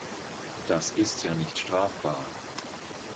Das ist ja nicht strafbar.